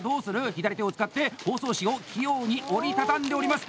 左手を使って包装紙を器用に折り畳んでおります。